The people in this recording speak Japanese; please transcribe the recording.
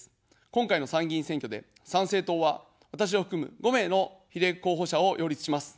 今回の参議院選挙で、参政党は、私を含む５名の比例候補者を擁立します。